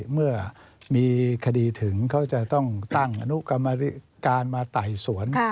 เมื่อมีคดีถึงเขาจะต้องตั้งอนุกรรมการมาไต่สวน